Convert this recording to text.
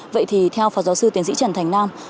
vậy thì theo phó giáo sư tiến sĩ trần thành nam